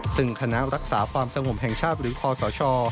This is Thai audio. ซึ่งคณะรักษาความสงบแห่งชาติหรือคอสช